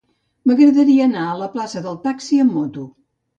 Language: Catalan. M'agradaria anar a la plaça del Taxi amb moto.